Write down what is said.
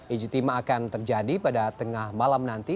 ijtima akan terjadi pada tengah malam nanti